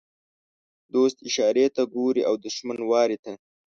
دوست اشارې ته ګوري او دښمن وارې ته.